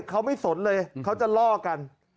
เขาไม่สนเลยเขาจะล่อกัน